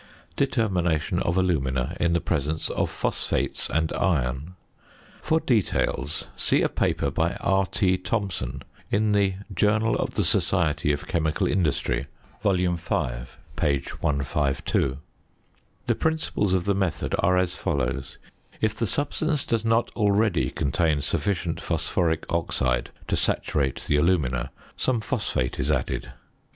~Determination of Alumina in the Presence of Phosphates and Iron.~ For details, see a paper by R.T. Thomson in the "Journal of the Society of Chemical Industry," v. p. 152. The principles of the method are as follows: If the substance does not already contain sufficient phosphoric oxide to saturate the alumina, some phosphate is added.